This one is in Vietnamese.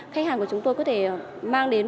khách hàng của chúng tôi có thể mang đến